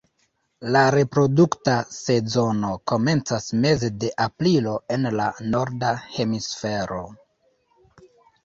La reprodukta sezono komencas meze de aprilo en la norda hemisfero.